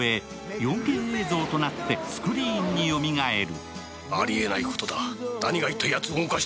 ４Ｋ映像となってスクリーンによみがえる。